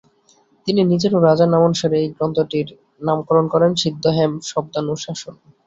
তিনি নিজের ও রাজার নামানুসারে এই গ্রন্থটির নামকরণ করেন সিদ্ধ-হেম-শব্দানুশাসন।